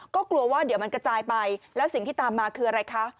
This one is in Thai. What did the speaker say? ก็กลัวว่าเดี๋ยวมันกระจายไปแล้วสิ่งที่ตามมาคืออะไรคะ